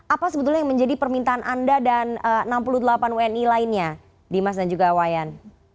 apa sebetulnya yang menjadi permintaan anda dan enam puluh delapan wni lainnya dimas dan juga wayan